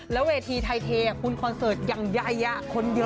แล้วเวทีไทยเทคุณคอนเสิร์ตอย่างใหญ่คนเยอะ